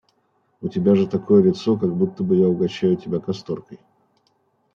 – У тебя же такое лицо, как будто бы я угощаю тебя касторкой.